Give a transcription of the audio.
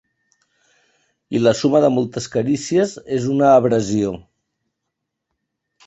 I "la suma de moltes carícies és una abrasió".